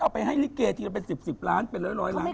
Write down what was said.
เอาไปให้ลิเกย์ที่จะเป็น๑๐ล้านเป็น๑๐๐ล้าน